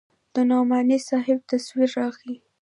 د نعماني صاحب تصوير راغى.